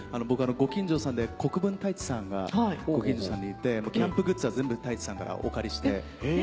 僕ご近所さんで国分太一さんがご近所さんにいてキャンプグッズは全部太一さんからお借りして。